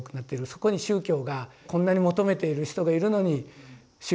そこに宗教がこんなに求めている人がいるのに宗教が応えれていない。